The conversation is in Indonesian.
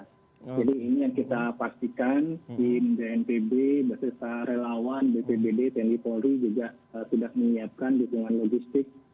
jadi ini yang kita pastikan di dnpb beserta relawan bpbd tni polri juga sudah menyiapkan dukungan logistik